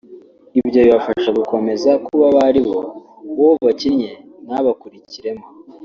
Ibyo bibafasha gukomeza kuba abo baribo uwo bakinnye ntabakukiremo